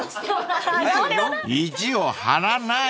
［意地を張らない！］